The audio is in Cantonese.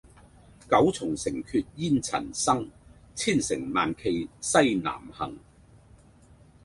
九重城闕煙塵生，千乘萬騎西南行。